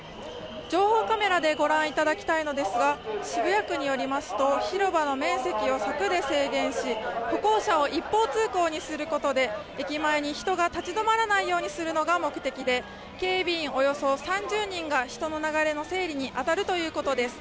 情報カメラでご覧いただきたいのですが、渋谷区によりますと広場の面積を柵で制限し歩行者を一方通行にすることで駅前に人が立ち止まらないようにするのが目的で、警備員およそ３０人が人の流れの整理に当たるということです。